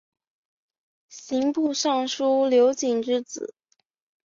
刑部尚书刘璟之子。